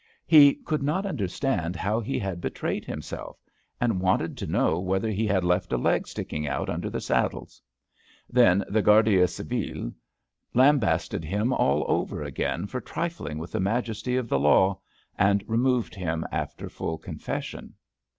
He could not understand how he had be trayed himself and wanted to know whether he had left a leg sticking out under the saddles. Then the Gijarda Civile lambasted him all over again for trifling with the majesty of the law, and removed him after full confession.